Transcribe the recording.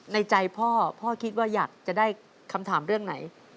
ในใจพ่อพ่อคิดว่าอยากจะได้คำถามเรื่องไหน